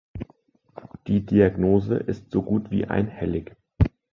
Die Diagnose ist so gut wie einhellig.